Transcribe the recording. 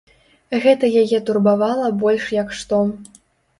Гэта яе турбавала больш як што.